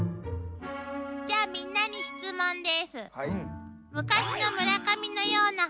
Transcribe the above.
じゃあみんなに質問です。